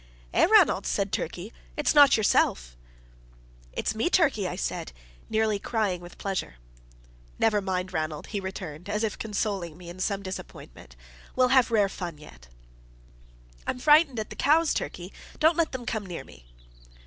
"Eh, Ranald!" said Turkey, "it's not yourself?" "It's me, Turkey," I said, nearly crying with pleasure. "Never mind, Ranald," he returned, as if consoling me in some disappointment; "we'll have rare fun yet." "I'm frightened at the cows, Turkey. Don't let them come near me."